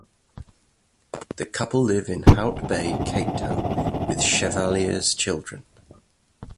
The couple live in Hout Bay, Cape Town with Chevallier's children.